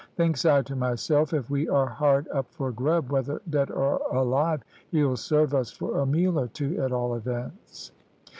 Thinks I to myself, if we are hard up for grub, whether dead or alive, he'll serve us for a meal or two at all events.